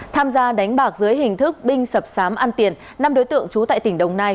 tham gia đánh bạc dưới hình thức binh sập sám ăn tiền năm đối tượng trú tại tỉnh đồng nai